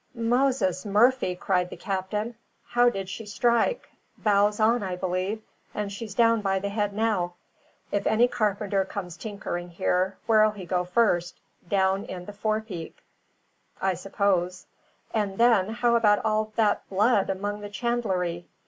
"Moses Murphy!" cried the captain. "How did she strike? Bows on, I believe. And she's down by the head now. If any carpenter comes tinkering here, where'll he go first? Down in the forepeak, I suppose! And then, how about all that blood among the chandlery?